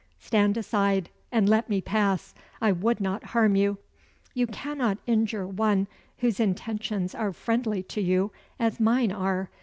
Stand aside, and let me pass. I would not harm you." "You cannot injure one whose intentions are friendly to you as mine are.